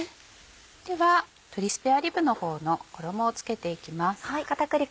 では鶏スペアリブの方の衣を付けていきます。